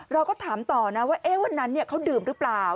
เราก็ถามต่อนะว่าวันนั้นเขาดื่มหรือเปล่า